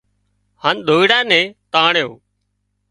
هانَ ۮوئيڙا نين تانڻيون